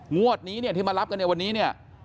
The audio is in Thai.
งวดนี้เนี่ยที่มารับกันในวันนี้เนี่ย